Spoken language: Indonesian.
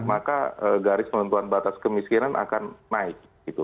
maka garis penentuan batas kemiskinan akan naik